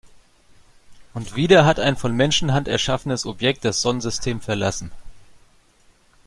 Und wieder hat ein von Menschenhand erschaffenes Objekt das Sonnensystem verlassen.